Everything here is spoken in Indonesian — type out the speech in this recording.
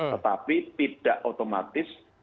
tetapi tidak otomatis